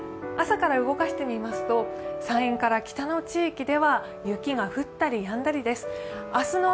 朝から動かしてみますと、山陰から北の地域では雪が降ったりやんだりです。